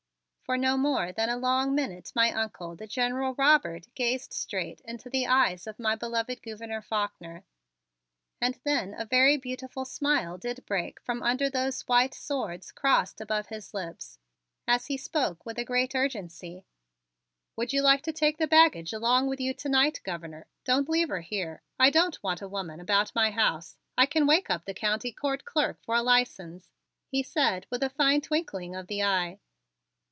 For no more than a long minute my Uncle, the General Robert, gazed straight into the eyes of my beloved Gouverneur Faulkner, and then a very beautiful smile did break from under those white swords crossed above his lips, as he spoke with a great urgency: "Would you like to take the baggage along with you to night, Governor? Don't leave her here. I don't want a woman about my house. I can wake up the county court clerk for a license," he said with a fine twinkling of the eye.